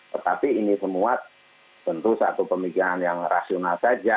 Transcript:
tetapi ini semua tentu satu pemikiran yang rasional saja